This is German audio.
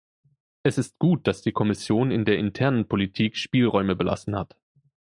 Es ist gut, dass die Kommission in der internen Politik Spielräume belassen hat.